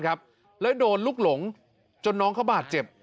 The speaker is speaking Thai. แล้วโดนลูกหลงจนน้องเขาบาดเจ็บ